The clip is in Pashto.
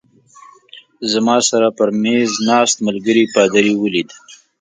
زما سره پر مېز ناست ملګري پادري ولید.